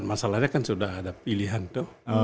masalahnya kan sudah ada pilihan tuh